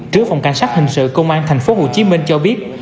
tru phòng cảnh sát hình sự công an tp hcm cho biết